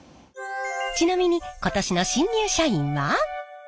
ちなみに今年の新入社員は？